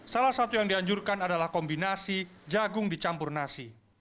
salah satu yang dianjurkan adalah kombinasi jagung dicampur nasi